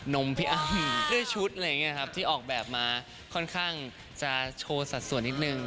มพี่อ้ำด้วยชุดอะไรอย่างนี้ครับที่ออกแบบมาค่อนข้างจะโชว์สัดส่วนนิดนึง